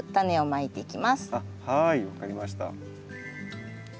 はい分かりました。